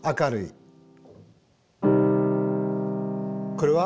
これは？